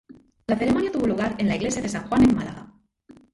La ceremonia tuvo lugar en la Iglesia de San Juan en Málaga.